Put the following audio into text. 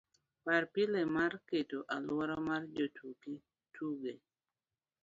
par pile mar keto aluora mar jotuki tuge